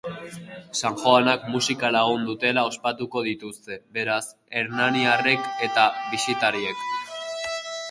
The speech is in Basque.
Sanjoanak musika lagun dutela ospatuko dituzte, beraz, hernaniarrek eta bisitariek.